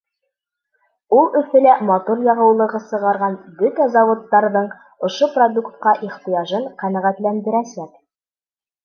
Ул Өфөлә мотор яғыулығы сығарған бөтә заводтарҙың ошо продуктҡа ихтыяжын ҡәнәғәтләндерәсәк.